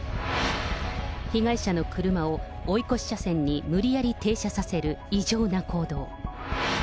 被害者の車を追い越し車線に無理やり停車させる異常な行動。